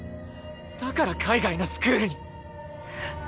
だから海外のスクールに。